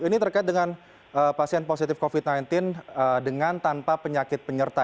ini terkait dengan pasien positif covid sembilan belas dengan tanpa penyakit penyerta